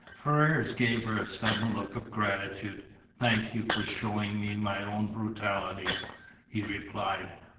Ferrars gave her a sudden look of gratitude. "Thank you for showing me my own brutality," he replied.